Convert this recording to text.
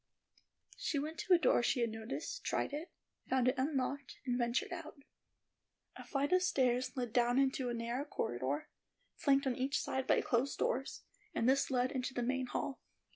She went to a door she had noticed, tried it, found it unlocked, and ventured out. A flight of stairs led down into a narrow corridor, flanked on each side by closed doors, and this led into the main hall.